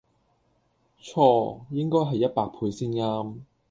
錯應該係一百倍先岩